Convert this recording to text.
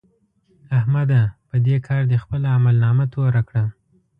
احمده! په دې کار دې خپله عملنامه توره کړه.